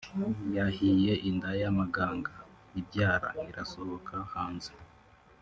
yahiye inda y’amaganga (ibyara) irasohoka hanze